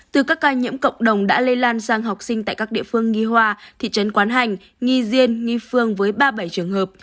từ các ca nhiễm cộng đồng đã lây lan sang học sinh tại các địa phương nghi hoa thị trấn quán hành nghi diên nghi phương với ba mươi bảy trường hợp